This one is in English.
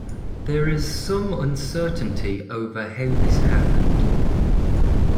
There is some uncertainty over how this happened.